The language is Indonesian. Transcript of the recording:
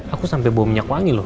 aku sampe bau minyak wangi lho